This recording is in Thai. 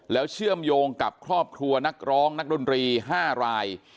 แล้วเชื่อมโยงกับครอบครัวนักร้องนักดนตรี๕ราย